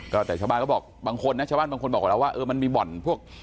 ก็แต่ชาวบ้านเขาบอกบางคนนะชาวบ้านบางคนบอกกับเราว่าเออมันมีบ่อนพวก